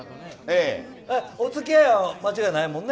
お付き合いは間違いないもんね。